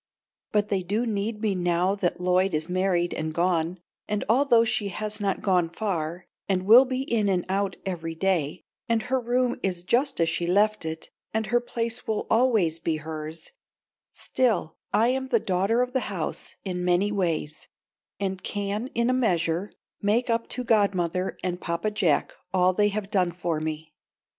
But they do need me now that Lloyd is married and gone, and although she has not gone far and will be in and out every day, and her room is just as she left it, and her place will always be hers, still I am the daughter of the house in many ways, and can in a measure make up to godmother and Papa Jack all they have done for me.